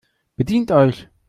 Bedient euch!